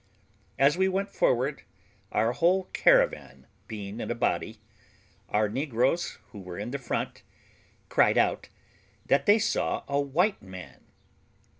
As we went forward, our whole caravan being in a body, our negroes, who were in the front, cried out, that they saw a white man!